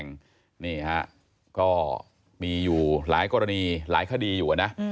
ร้ายแรงนี่ครับก็มีอยู่หลายกรณีหลายคดีอยู่นะ